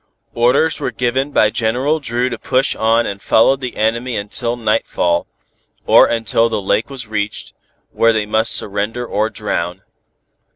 Orders were given by General Dru to push on and follow the enemy until nightfall, or until the Lake was reached, where they must surrender or drown.